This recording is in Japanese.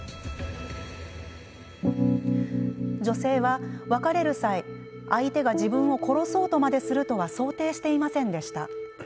女性は別れる際、相手が自分を殺そうとまでするとは想定していませんでした。